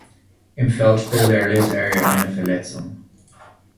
Im Feldspiel erlitt er eine Verletzung.